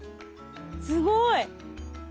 すごい！